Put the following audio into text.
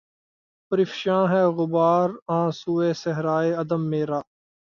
پرافشاں ہے غبار آں سوئے صحرائے عدم میرا